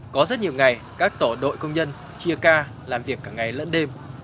có rất nhiều ngày các tổ đội công nhân chia ca làm việc cả ngày lẫn đêm